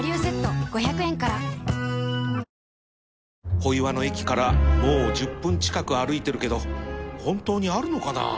小岩の駅からもう１０分近く歩いてるけど本当にあるのかなあ。